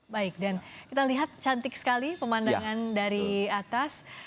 baik dan kita lihat cantik sekali pemandangan dari atas